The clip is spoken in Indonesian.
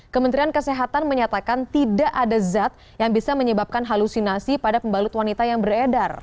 kementerian kesehatan menyatakan tidak ada zat yang bisa menyebabkan halusinasi pada pembalut wanita yang beredar